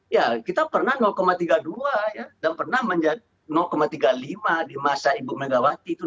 ya kita pernah tiga puluh dua dan pernah tiga puluh lima di masa ibu megawati itu tiga puluh lima